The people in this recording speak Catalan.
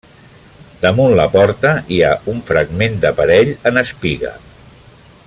Damunt la porta hi ha un fragment d'aparell en espiga.